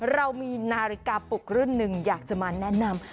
เรามีนาฬิกาปลุกรุ่นหนึ่งอยากจะมาแนะนำ